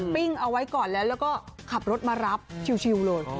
ปิ้งเอาไว้ก่อนแล้วแล้วก็ขับรถมารับชิวเลย